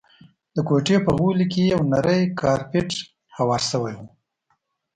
د کوټې په غولي کي یو نری کارپېټ هوار شوی وو.